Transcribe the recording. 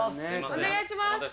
お願いします。